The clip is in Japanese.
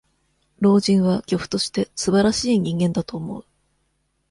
老人は、漁夫として、すばらしい人間だと思う。